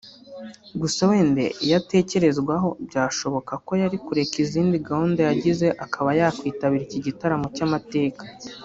gusa wenda iyo atekerezwaho byashoboka ko yari kureka izindi gahunda yagize akaba yakwitabira iki gitaramo cy'amateka